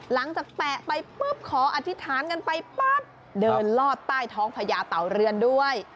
หลังจากแปะไปขออธิษฐานกันไปเดินลอดใต้ท้องพญาเต๋าเรือนด้วย